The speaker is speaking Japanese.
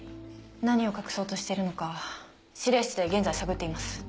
何を隠そうとしてるのか指令室で現在探っています。